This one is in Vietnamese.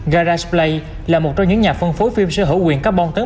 garagplay là một trong những nhà phân phối phim sở hữu quyền carbon tấn